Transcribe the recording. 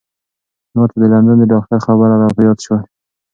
ما ته د لندن د ډاکتر خبرې را په یاد شوې.